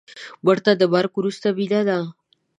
مړه ته د مرګ وروسته مینه ده